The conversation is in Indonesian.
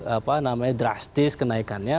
apa namanya drastis kenaikannya